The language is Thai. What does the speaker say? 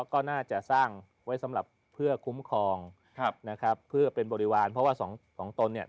ก็น่าจะสร้างไว้สำหรับเพื่อคุ้มครองครับนะครับเพื่อเป็นบริวารเพราะว่าสองของตนเนี่ย